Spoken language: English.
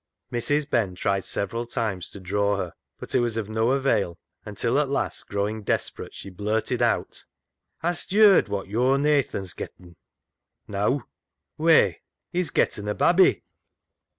Mrs. Ben tried several times to draw her, but it was of no avail, until at last, growing desperate, she blurted out —" Hast yerd wot yo're Nathan's getten ?"" Neaw." " Whey, he's getten a babby."